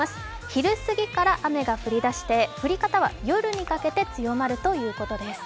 昼すぎから雨が降りだして降り方は夜にかけて強まるということです。